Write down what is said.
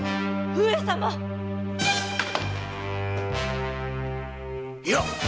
上様⁉いや。